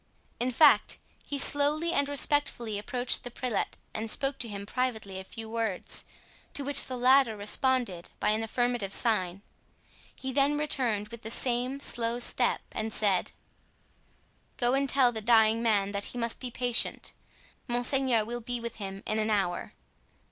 In fact, he slowly and respectfully approached the prelate and spoke to him privately a few words, to which the latter responded by an affirmative sign. He then returned with the same slow step and said: "Go and tell the dying man that he must be patient. Monseigneur will be with him in an hour."